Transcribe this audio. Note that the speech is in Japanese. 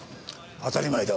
当たり前だ。